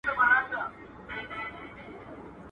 څه کوه، څه پرېږده.